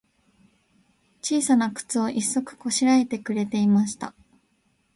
ちいさなくつを、一足こしらえてくれていました。